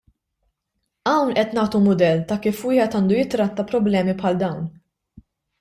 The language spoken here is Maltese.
Hawn qed nagħtu mudell ta' kif wieħed għandu jitratta problemi bħal dawn.